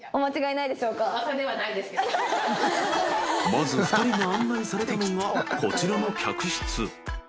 ［まず２人が案内されたのがこちらの客室］